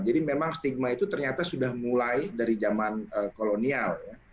jadi memang stigma itu ternyata sudah mulai dari zaman kolonial